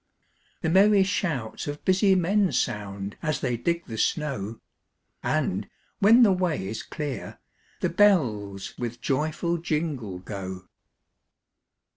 The merry shouts of busy men Sound, as they dig the snow; And, when the way is clear, the bells With joyful jingle, go.